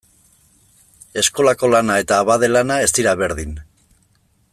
Eskolako lana eta abade lana ez dira berdin.